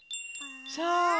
そう！